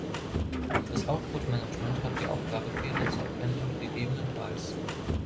Das Output Management hat die Aufgabe, Fehler zu erkennen und ggf.